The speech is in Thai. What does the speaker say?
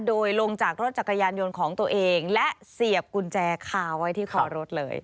โดยลงจากรถจักรยานยนต์ของตัวเองและเสียบกุญแจคาไว้ที่คอรถเลย